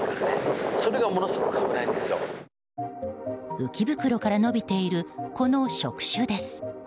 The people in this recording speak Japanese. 浮き袋から伸びているこの触手です。